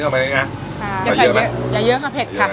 นี่ก็ไม่ได้ไงค่ะอย่าเยอะไหมอย่าเยอะอย่าเยอะค่ะเผ็ดค่ะ